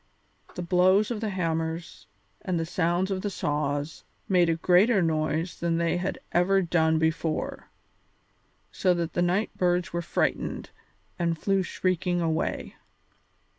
The blows of the hammers and the sounds of the saws made a greater noise than they had ever done before, so that the night birds were frightened and flew shrieking away.